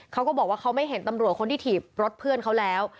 เขาก็บอกว่าเขาไม่เห็นตำรวจคนที่ถีบรถเพื่อนเขาแล้ว